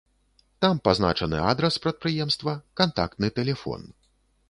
Там пазначаны адрас прадпрыемства, кантактны тэлефон.